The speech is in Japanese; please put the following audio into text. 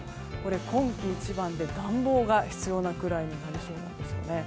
今季一番で暖房が必要なくらいになりそうです。